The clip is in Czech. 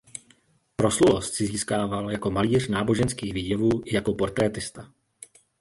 Proslulost si získával jako malíř náboženských výjevů i jako portrétista.